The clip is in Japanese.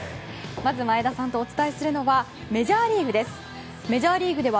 まず、前田さんとお伝えするのはメジャーリーグです。